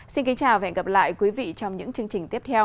xin kính chào và hẹn gặp lại quý vị trong những chương trình tiếp theo